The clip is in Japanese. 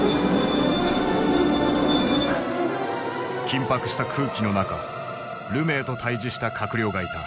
緊迫した空気の中ルメイと対峙した閣僚がいた。